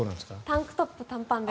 タンクトップに短パンです。